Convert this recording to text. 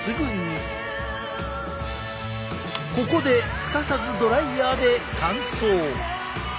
ここですかさずドライヤーで乾燥。